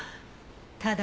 ただ。